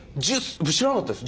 知らなかったです。